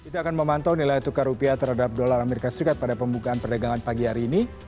kita akan memantau nilai tukar rupiah terhadap dolar as pada pembukaan perdagangan pagi hari ini